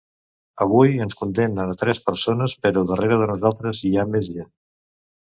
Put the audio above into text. Avui ens condemnen a tres persones, però darrere de nosaltres hi ha més gent.